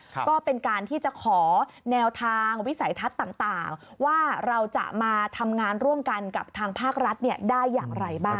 ก็เป็นการที่จะขอแนวทางวิสัยทัศน์ต่างว่าเราจะมาทำงานร่วมกันกับทางภาครัฐได้อย่างไรบ้าง